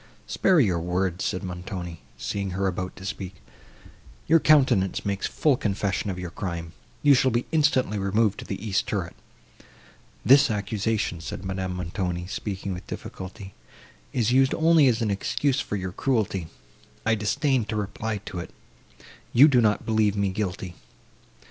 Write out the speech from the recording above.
"Spare your words," said Montoni, seeing her about to speak, "your countenance makes full confession of your crime.—You shall be instantly removed to the east turret." "This accusation," said Madame Montoni, speaking with difficulty, "is used only as an excuse for your cruelty; I disdain to reply to it. You do not believe me guilty."